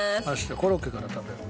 コロッケから食べよう。